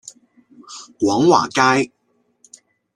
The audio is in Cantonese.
廣華街